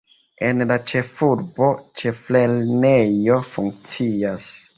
En la ĉefurbo ĉeflernejo funkcias.